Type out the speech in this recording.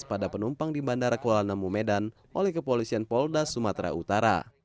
pada penumpang di bandara kuala namu medan oleh kepolisian polda sumatera utara